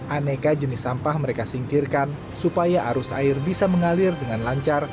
aneka jenis sampah mereka singkirkan supaya arus air bisa mengalir dengan lancar